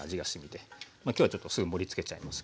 今日はちょっとすぐ盛りつけちゃいますけれども。